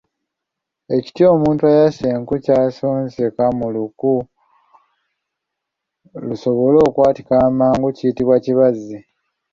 Ekiti omuntu ayasa enku ky’asonseka mu luku lusobole okwatika amangu kiyitibwa Ekibaazi.